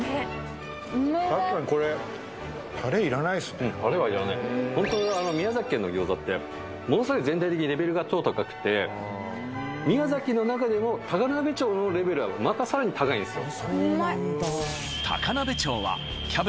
確かにこれうんタレはいらないホント宮崎県の餃子ってものすごい全体的にレベルが超高くて宮崎の中でも高鍋町のレベルはまたさらに高いんですよ